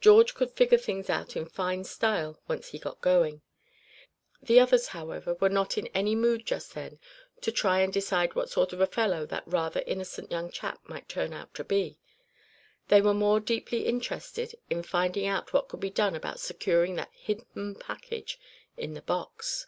George could figure things out in fine style once he got going. The others, however, were not in any mood just then to try and decide what sort of a fellow that rather innocent young chap might turn out to be. They were more deeply interested in finding out what could be done about securing that hidden package in the box.